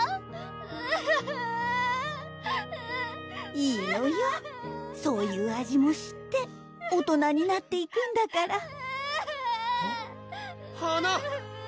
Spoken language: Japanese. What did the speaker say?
いいのよそういう味も知って大人になっていくんだから鼻！